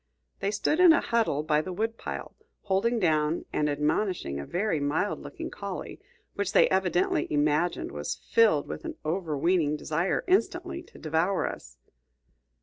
They stood in a huddle by the woodpile, holding down and admonishing a very mild looking collie, which they evidently imagined was filled with an overweening desire instantly to devour us.